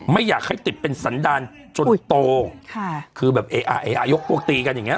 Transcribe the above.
ไม่อยากให้ติดเป็นสันดาลจนโตค่ะคือแบบไอ้อ่ะยกพวกตีกันอย่างเงี